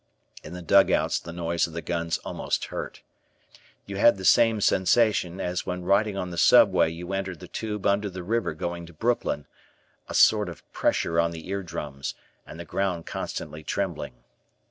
In the dugouts the noise of the guns almost hurt. You had the same sensation as when riding on the Subway you enter the tube under the river going to Brooklyn a sort of pressure on the ear drums, and the ground constantly trembling.